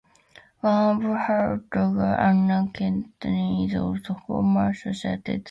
One of her daughters, Anna Kettner, is also a former Social Democratic politician.